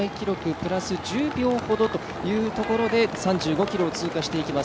プラス１０秒ほどというところで３５ｋｍを通過していきます。